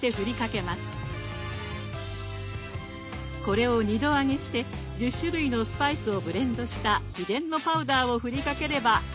これを２度揚げして１０種類のスパイスをブレンドした秘伝のパウダーを振りかければ完成です。